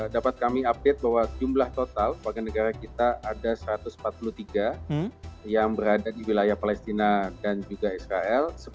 dapat kami update bahwa jumlah total warga negara kita ada satu ratus empat puluh tiga yang berada di wilayah palestina dan juga israel